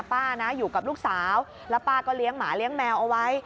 ป้านะอยู่กับลูกสาวแล้วป้าก็เลี้ยงหมาเลี้ยงแมวเอาไว้